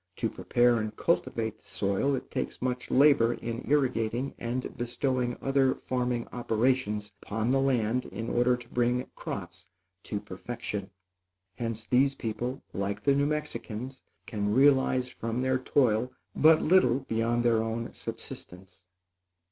To prepare and cultivate the soil, it takes much labor in irrigating and bestowing other farming operations upon the land in order to bring crops to perfection. Hence these people, like the New Mexicans, can realize from their toil but little beyond their own subsistence.